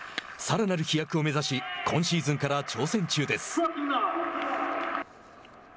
さらなる飛躍を目指し、今シーズンから挑戦中です。